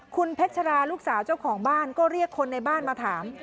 คุณเพชราลูกสาวเจ้าของบ้านก็เรียกคนในบ้านมาถาม